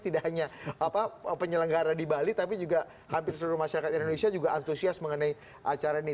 tidak hanya penyelenggara di bali tapi juga hampir seluruh masyarakat indonesia juga antusias mengenai acara ini